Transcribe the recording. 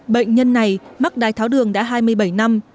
bệnh nhân này mắc đai tháo đường đã hai mươi bảy năm